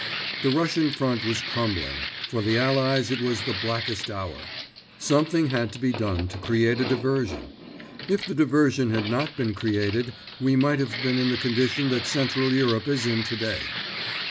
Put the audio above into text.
The Russian Front was crumbling. For the Allies it was the blackest hour. Something had to be done to create a diversion; if the diversion had not been created, we might have been in the condition that Central Europe is in today.